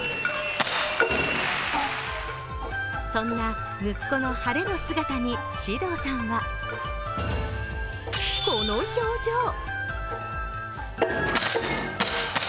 そんな息子の晴れの姿に獅童さんはこの表情。